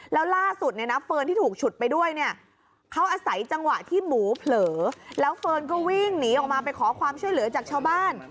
แล้วล่าสุดเนี่ยนะเฟิร์นที่ถูกฉุดไปด้วยเนี่ยเขาอาศัยจังหวะที่หมูเผลอแล้วเฟิร์นก็วิ่งหนีออกมาไปขอความช่วยเหลือจากชาวบ้าน